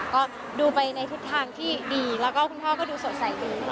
ก็ดูไปในทิศทางที่ดีแล้วก็คุณพ่อก็ดูสดใสตัวเอง